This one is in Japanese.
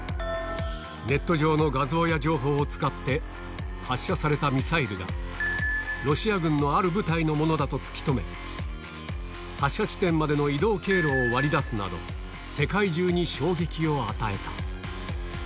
ネット上の画像や情報を使って、発射されたミサイルが、ロシア軍のある部隊のものだと突き止め、発射地点までの移動経路を割り出すなど、世界中に衝撃を与えた。